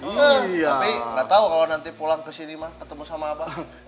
hmm tapi nggak tahu kalau nanti pulang ke sini mah ketemu sama abang